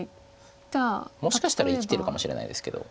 もしかしたら生きてるかもしれないですけど。